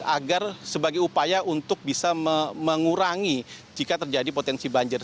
agar sebagai upaya untuk bisa mengurangi jika terjadi potensi banjir